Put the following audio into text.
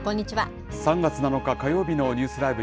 ３月７日火曜日のニュースＬＩＶＥ！